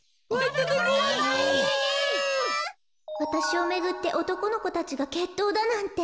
こころのこえわたしをめぐっておとこのこたちがけっとうだなんて。